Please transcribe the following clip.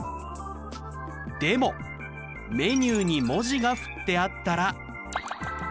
でもメニューに文字が振ってあったら。